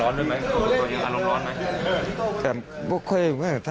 อารมณ์ร้อนด้วยไหม